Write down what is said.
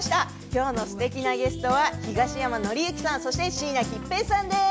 きょうのすてきなゲストは東山紀之さん、そして椎名桔平さんです。